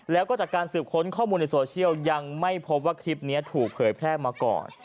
แล้วก็จากการสืบค้นข้อมูลในโซเชียลยังไม่พบว่าคลิปนี้ถูกเผยแพร่มาก่อน